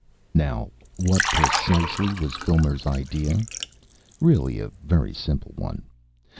Now what precisely was Filmer's idea? Really a very simple one.